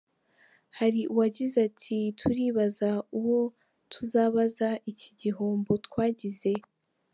Hari uwagize ati “Turibaza uwo tuzabaza iki gihombo twagize.